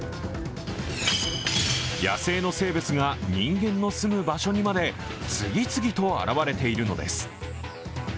野生の生物が人間の住む場所にまで次々と現れているのです。